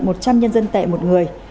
một trăm linh nhân dân tệ một người